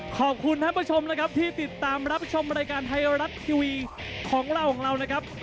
ขอบคุณท่านผู้ชมนะครับที่ติดตามรับชมรายการไทยรัฐทีวีของเราของเรานะครับ